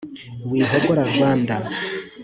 wihogora rwanda